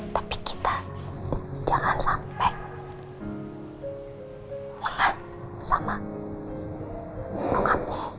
tapi kita jangan sampai lengah sama ungapnya